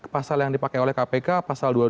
pasal yang dipakai oleh kpk pasal dua puluh dua